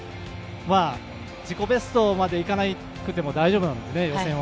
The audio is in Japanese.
自己ベストまで行かなくても大丈夫なので、予選は。